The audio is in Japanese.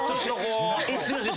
すいません。